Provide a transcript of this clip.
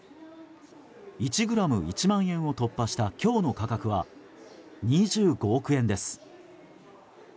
１ｇ１万円を突破した今日の価格は２５億円です。